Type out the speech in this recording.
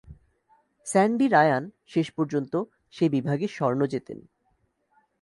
Sandy Ryan শেষ পর্যন্ত সেই বিভাগে স্বর্ণ জেতেন।